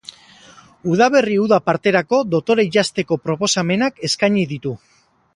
Udaberri-uda parterako dotore jazteko proposamenak eskaini ditu.